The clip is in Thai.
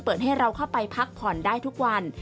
ให้เราเข้าไปพักผ่อนได้ทุกวัน